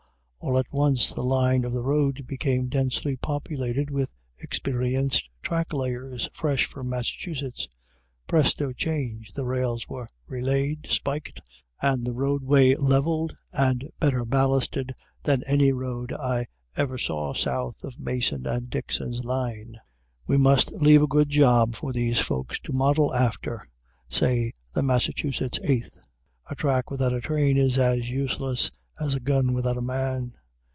All at once the line of the road became densely populated with experienced track layers, fresh from Massachusetts. Presto change! the rails were relaid, spiked, and the roadway leveled and better ballasted than any road I ever saw south of Mason and Dixon's line. "We must leave a good job for these folks to model after," say the Massachusetts Eighth. A track without a train is as useless as a gun without a man.